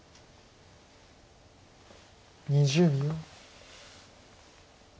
２０秒。